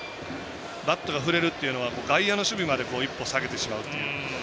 バットが振れるっていうことは外野の守備まで一歩下げてしまうという。